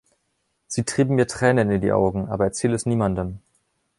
Sie trieben mir Tränen in die Augen, aber erzähl es niemandem.